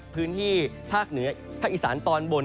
พื้นที่ภาคเหนือภาคอีสานตอนบน